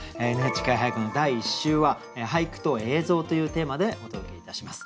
「ＮＨＫ俳句」の第１週は「俳句と映像」というテーマでお届けいたします。